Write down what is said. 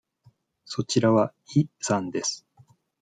そちらはイさんです。